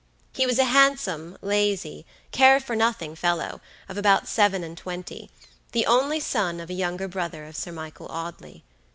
He was a handsome, lazy, care for nothing fellow, of about seven and twenty; the only son of a younger brother of Sir Michael Audley.